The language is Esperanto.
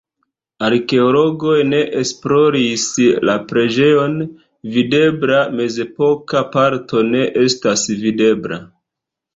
Arkeologoj ne esploris la preĝejon, videbla mezepoka parto ne estas videbla.